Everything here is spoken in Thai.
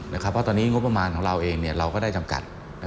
เพราะตอนนี้งบประมาณของเราเองเราก็ได้จำกัด